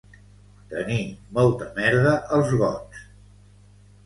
Tenir molta merda als gots